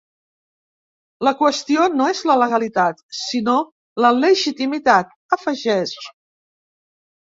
La qüestió no és la legalitat sinó la legitimitat, afegeix.